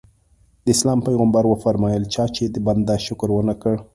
د اسلام پیغمبر وفرمایل چا چې د بنده شکر ونه کړ.